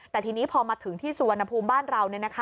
แต่ทีนี้พอมาถึงที่สุวรรณภูมิบ้านเรา